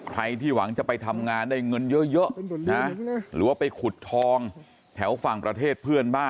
ใครที่หวังจะไปทำงานได้เงินเยอะนะหรือว่าไปขุดทองแถวฝั่งประเทศเพื่อนบ้าน